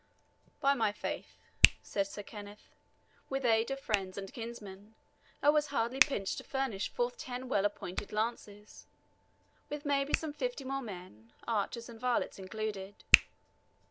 "By my faith," said Sir Kenneth, "with aid of friends and kinsmen, I was hardly pinched to furnish forth ten well appointed lances, with maybe some fifty more men, archers and varlets included.